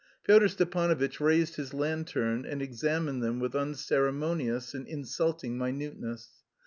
Pyotr Stepanovitch raised his lantern and examined them with unceremonious and insulting minuteness.